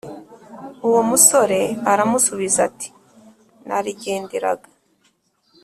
Uwo musore aramusubiza ati narigenderaga